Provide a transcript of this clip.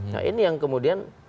nah ini yang kemudian